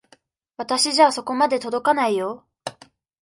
私じゃそこまで届かないよ。